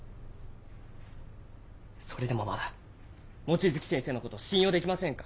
それでもまだ望月先生の事を信用できませんか？